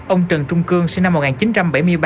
ông trần trung cương sinh năm một nghìn chín trăm bảy mươi ba